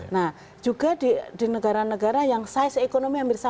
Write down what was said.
nah juga di negara negara yang size ekonomi hampir sama